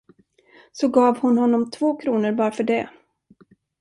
Så gav hon honom två kronor bara för det.